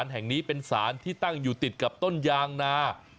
แห่งนี้เป็นสารที่ตั้งอยู่ติดกับต้นยางนา